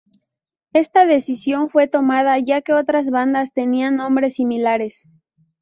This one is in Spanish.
Esta decisión fue tomada ya que otras bandas tenían nombres similares.